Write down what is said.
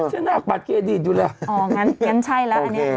หน้าบัตรเครดิตอยู่เลยอ๋องั้นงั้นใช่แล้วอันนี้